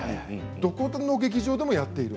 どこの劇場でもやっている。